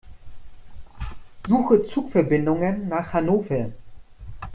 Suche Zugverbindungen nach Hannover.